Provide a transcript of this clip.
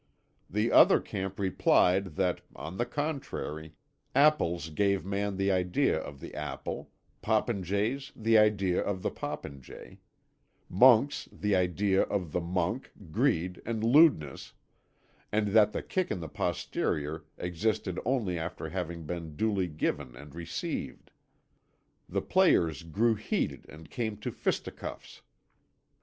The other camp replied that, on the contrary, apples gave man the idea of the apple; popinjays the idea of the popinjay; monks the idea of the monk, greed and lewdness, and that the kick in the posterior existed only after having been duly given and received. The players grew heated and came to fisticuffs.